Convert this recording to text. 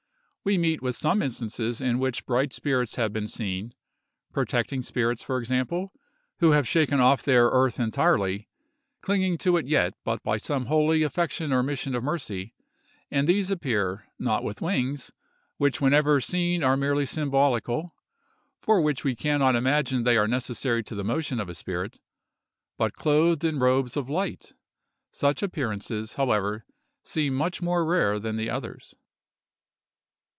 We meet with some instances in which bright spirits have been seen—protecting spirits, for example, who have shaken off their earth entirely, clinging to it yet but by some holy affection or mission of mercy—and these appear, not with wings, which whenever seen are merely symbolical, for we can not imagine they are necessary to the motion of a spirit, but clothed in robes of light. Such appearances, however, seem much more rare than the others.